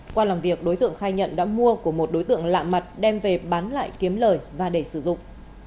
qua làm việc đối tượng khai nhận đã mua của một đối tượng lạ mặt đem về bán lại kiếm lời và để sử dụng